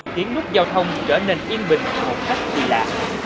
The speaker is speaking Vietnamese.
khiến nút giao thông trở nên yên bình một cách kỳ lạ